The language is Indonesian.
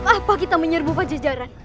apa kita menyerbu pada jajaran